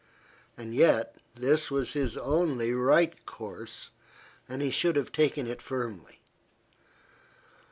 And yet this was his only right course, and he should have taken it firmly.